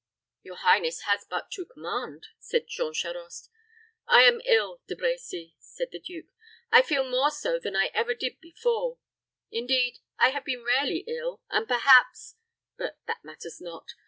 "Your highness has but to command," said Jean Charost. "I am ill, De Brecy," said the duke. "I feel more so than I ever did before; indeed, I have been rarely ill, and, perhaps But that matters not.